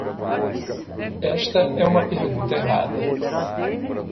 Esta é uma pergunta errada.